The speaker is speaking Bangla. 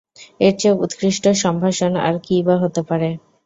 এর চেয়ে উৎকৃষ্ট সম্ভাষণ আর কিইবা হতে পারে?